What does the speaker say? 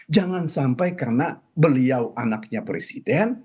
jangan sampai karena beliau anaknya presiden